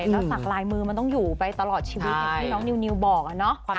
แล้วสักลายมือมันต้องอยู่ไปตลอดชีวิตให้น้องนิวบอกนะ